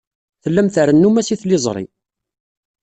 Tellam trennum-as i tliẓri.